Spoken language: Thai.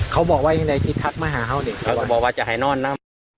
เขาบอกว่าในใดกิ๊บทักมหาฮาเราเลยจะบอกว่าจะหายนอนนั่น